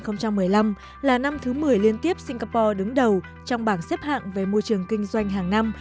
năm hai nghìn một mươi năm là năm thứ một mươi liên tiếp singapore đứng đầu trong bảng xếp hạng về môi trường kinh doanh hàng năm